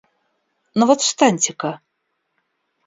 Ну вот встаньте-ка.